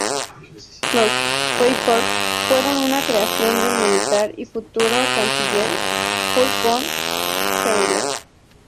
Los "Freikorps" fueron una creación del militar y futuro canciller Kurt von Schleicher.